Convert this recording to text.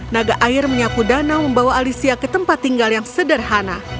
naga air menyapu danau membawa alisia ke tempat tinggal yang sederhana